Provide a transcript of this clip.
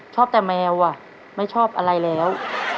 ชอบแต่แมวอ่ะไม่ชอบอะไรแล้ว